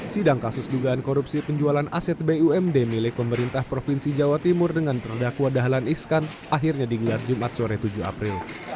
sidang kasus dugaan korupsi penjualan aset bumd milik pemerintah provinsi jawa timur dengan terdakwa dahlan iskan akhirnya digelar jumat sore tujuh april